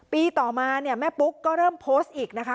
ปีต่อมาเนี่ยแม่ปุ๊กก็เริ่มโพสต์อีกนะคะ